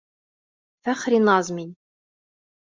Фәхриназ мин...